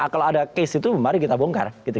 kalau ada case itu mari kita bongkar